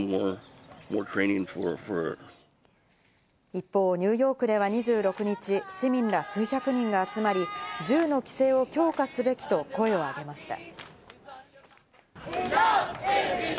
一方、ニューヨークでは２６日、市民ら数百人が集まり、銃の規制を強化すべきと声を上げました。